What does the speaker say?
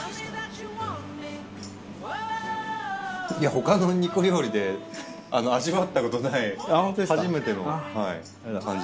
他の肉料理で味わったことない初めての感じですね。